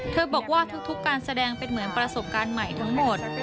บอกว่าทุกการแสดงเป็นเหมือนประสบการณ์ใหม่ทั้งหมด